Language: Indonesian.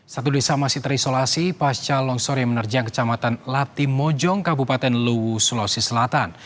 satu desa masih terisolasi pasca longsor yang menerjang kecamatan latimojong kabupaten luwu sulawesi selatan